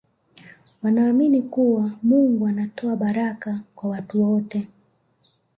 wanaamini kuwa mungu anatoa baraka kwa watu wote